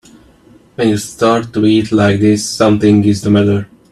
When you start to eat like this something is the matter.